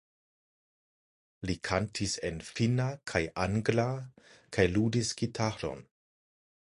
Li kantis en finna kaj angla kaj ludis gitaron.